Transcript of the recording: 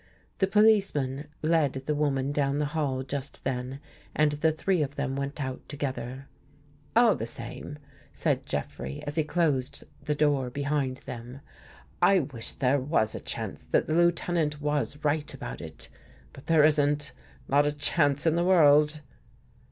The policeman led the woman down the hall just then and the three of them went out together. " All the same," said Jeffrey, as he closed the door behind them, " I wish there was a chance that the Lieutenant was right about it. But there isn't. Not a chance in the world."